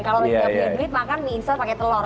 kalau tidak punya duit makan mie instan pakai telur